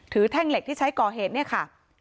ถือแท่งเหล็กที่ใช้ก่อเหตุเนี่ยค่ะลงไปด้วย